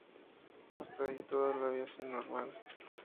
Hasta ahí todo había sido normal.